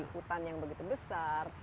hutan yang begitu besar